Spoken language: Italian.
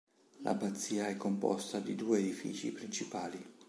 L'abbazia è composta di due edifici principali.